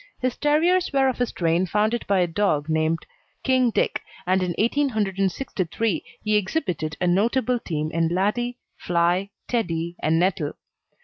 His terriers were of a strain founded by a dog named King Dick, and in 1863 he exhibited a notable team in Laddie, Fly, Teddie, and Nettle.